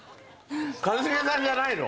一茂さんじゃないの？